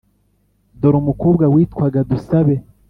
dore umukobwa witwaga dusabe